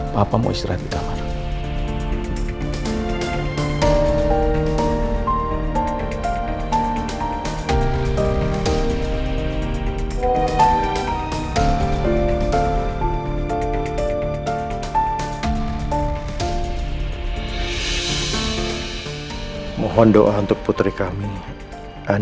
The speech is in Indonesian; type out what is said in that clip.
papamu istirahat di taman